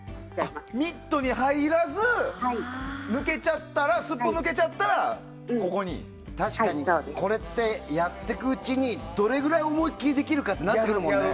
ミットに入らず確かに、これってやっていくうちにどれくらい、思い切りできるかになってくるもんね。